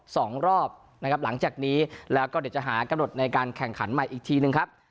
สองรอบนะครับหลังจากนี้แล้วก็เดี๋ยวจะหากำหนดในการแข่งขันใหม่อีกทีหนึ่งครับ